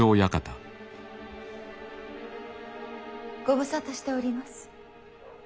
ご無沙汰しております。